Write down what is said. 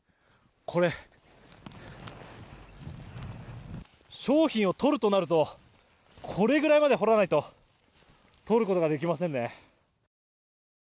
これ、商品を取るとなるとこれぐらいまで掘らないと取ることができませんね。